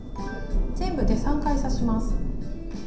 全部で３回刺します。